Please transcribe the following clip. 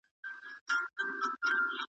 لقمانه ډېر به راوړې د خپل عقل مرهمونه `